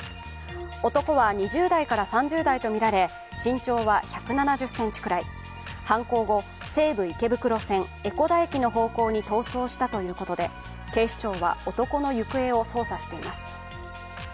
男は２０代から３０代とみられ、身長は１７０ｃｍくらい犯行後、西武池袋線・江古田駅の方向に逃走したということで警視庁は男の行方を捜査しています。